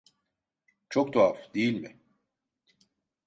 Çok tuhaf, değil mi?